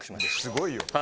すごいよ。